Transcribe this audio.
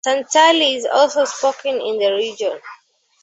Santali is also spoken in the region.